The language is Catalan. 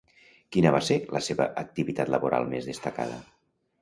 Quina va ser la seva activitat laboral més destacada?